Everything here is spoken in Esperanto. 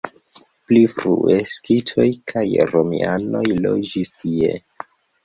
Pli frue skitoj kaj romianoj loĝis tie.